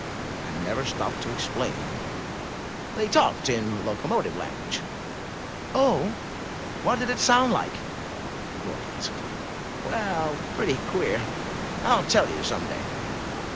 * and never stopped to explain. They talked in locomotive language —" *'0h, what did it sound like?'* the boy asked. ''Well, pretty queer; Fll tell you some day.